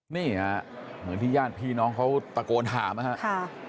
นี่เหมือนที่ญาติพี่น้องเขาตะโกนหามั้ยครับฮะครับค่ะ